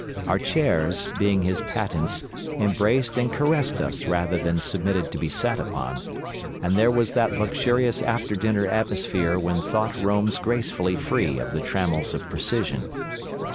Our chairs, being his patents, embraced and caressed us rather than submitted to be sat upon, and there was that luxurious after dinner atmosphere, when thought runs gracefully free of the trammels of precision.